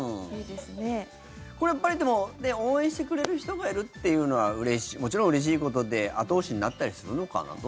これ、やっぱり応援してくれる人がいるっていうのはもちろんうれしいことで後押しになったりするのかな。